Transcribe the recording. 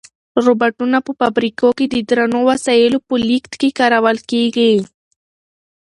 روبوټونه په فابریکو کې د درنو وسایلو په لېږد کې کارول کیږي.